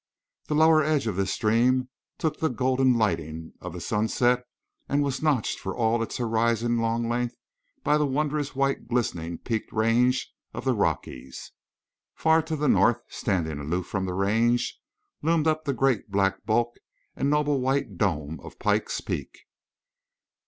The lower edge of this stream took the golden lightning of the sunset and was notched for all its horizon long length by the wondrous white glistening peaked range of the Rockies. Far to the north, standing aloof from the range, loomed up the grand black bulk and noble white dome of Pikes Peak.